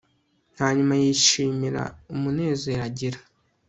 hanyuma yishimira umunezero agira